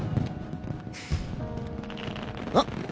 あっ。